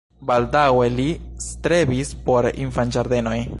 Baldaŭe li strebis por infanĝardenoj.